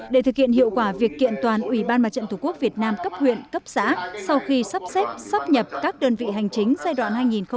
để thực hiện hiệu quả việc kiện toàn ubndtqvn cấp huyện cấp xã sau khi sắp xếp sắp nhật các đơn vị hành chính giai đoạn hai nghìn một mươi chín hai nghìn hai mươi một